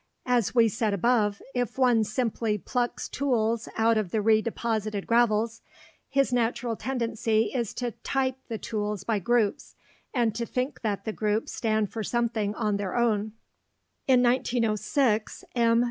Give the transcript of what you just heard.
As we said above, if one simply plucks tools out of the redeposited gravels, his natural tendency is to "type" the tools by groups, and to think that the groups stand for something on their own. In 1906, M.